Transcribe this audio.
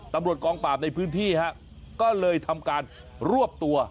ตำรวจกองปราบในพื้นที่ฮะก็เลยทำการรวบตัว